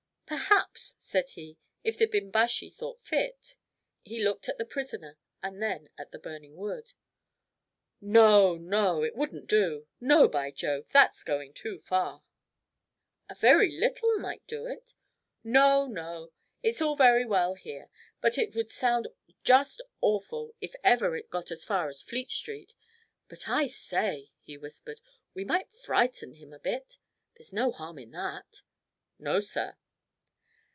"Perhaps," said he, "if the Bimbashi thought fit " He looked at the prisoner and then at the burning wood. "No, no; it wouldn't do. No, by Jove, that's going too far." "A very little might do it." "No, no. It's all very well here, but it would sound just awful if ever it got as far as Fleet Street. But, I say," he whispered, "we might frighten him a bit. There's no harm in that." "No, sir."